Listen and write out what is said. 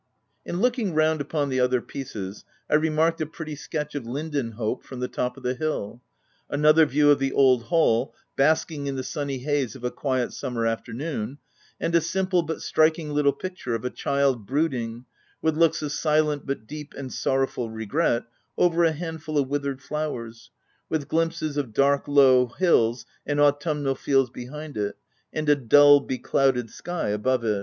" In looking round upon the other pieces, I remarked a pretty sketch of Lindenhope from the top of the hill ; another view of the old hall, basking in the sunny haze of a quiet summer afternoon ; and a simple but striking little picture of a child brooding with looks of silent, but deep and sorrowful regret, over a handful of withered flowers, with glimpses of OF W1LDFELL HALL. 87 dark low hills and autumnal fields behind it, and a dull beclouded sky above.